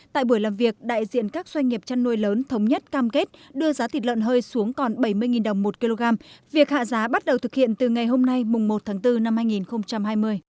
tại buổi làm việc đại diện các doanh nghiệp chăn nuôi lớn thống nhất cam kết đưa giá thịt lợn hơi xuống còn bảy mươi đồng một kg việc hạ giá bắt đầu thực hiện từ ngày hôm nay mùng một tháng bốn năm hai nghìn hai mươi